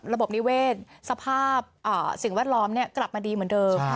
ระบบนิเวศสภาพสิ่งแวดล้อมกลับมาดีเหมือนเดิม